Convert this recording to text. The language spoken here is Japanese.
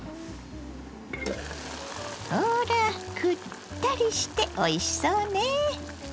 ほらくったりしておいしそうね。